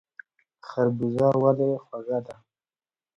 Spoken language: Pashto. خربوزه ولې خوږه ده؟